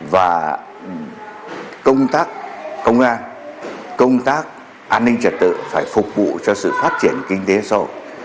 và công tác công an công tác an ninh trật tự phải phục vụ cho sự phát triển kinh tế xã hội